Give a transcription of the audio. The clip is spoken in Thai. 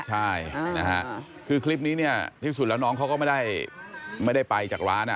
ใช่นะฮะคือคลิปนี้เนี่ยที่สุดแล้วน้องเขาก็ไม่ได้ไปจากร้าน